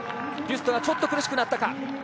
ビュストがちょっと苦しくなったか。